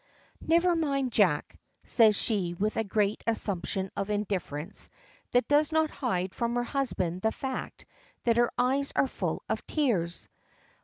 "Never mind, Jack!" says she with a great assumption of indifference that does not hide from her husband the fact that her eyes are full of tears.